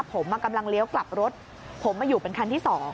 ผมกำลังเลี้ยวกลับรถผมมาอยู่เป็นคันที่๒